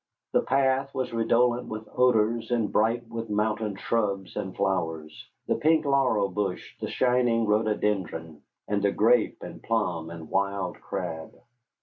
The path was redolent with odors, and bright with mountain shrubs and flowers, the pink laurel bush, the shining rhododendron, and the grape and plum and wild crab.